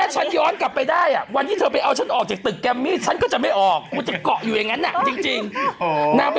เออฉันจะอยู่ที่ตึกกันอ่ะฉันจะไม่ออกไปไหน